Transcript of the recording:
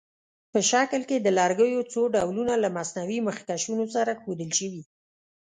په شکل کې د لرګیو څو ډولونه له مصنوعي مخکشونو سره ښودل شوي.